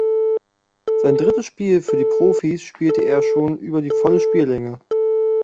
Sein drittes Spiel für die Profis spielte er schon über die volle Spiellänge.